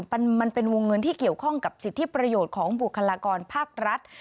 มันเป็นวงเงินที่เกี่ยวข้องกับสิทธิประโยชน์ของบุคลากรภาครัฐ